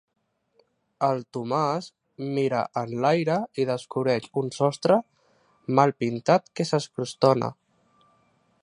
El Tomàs mira enlaire i descobreix un sostre mal pintat que s'escrostona.